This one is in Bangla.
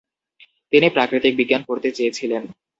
তিনি প্রাকৃতিক বিজ্ঞান পড়তে চেয়েছিলেন।